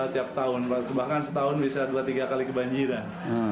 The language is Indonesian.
tiap tahun bahkan setahun bisa dua tiga kali kebanjiran